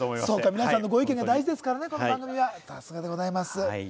皆さんのご意見が大事ですからね、さすがでございます！